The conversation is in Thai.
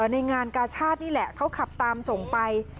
ในงานกาชาตินี่แหละเขาขับตามส่งไป